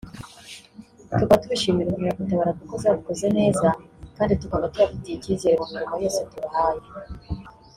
tukaba tubishimira inkeragutabara kuko zabikoze neza kandi tukaba tubafitiye ikizere mu mirimo yose tubahaye”